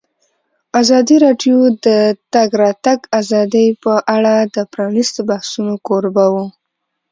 ازادي راډیو د د تګ راتګ ازادي په اړه د پرانیستو بحثونو کوربه وه.